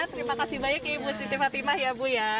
terima kasih banyak ibu siti fatimah ya bu ya